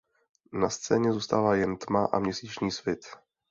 Na scéně zůstává jen tma a měsíční svit.